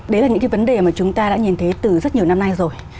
đấy là những cái vấn đề mà chúng ta đã nhìn thấy từ rất nhiều năm nay rồi